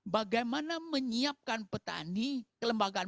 bagaimana menyiapkan petani kelembagaan